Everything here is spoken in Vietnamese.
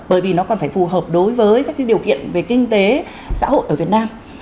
bởi vì nó còn phải phù hợp đối với các điều kiện về kinh tế xã hội ở việt nam